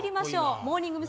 モーニング娘。